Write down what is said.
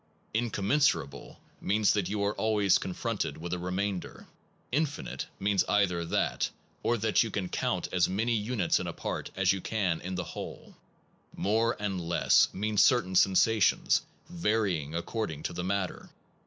In commensurable means that you are always confronted with a remainder. 6 Infinite means either that, or that you can count as many units in a part as you can in the whole. More and less mean certain sensations, varying according to the matter.